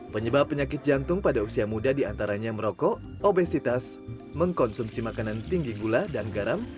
penyebab penyakit jantung pada usia muda diantaranya merokok obesitas mengkonsumsi makanan tinggi gula dan garam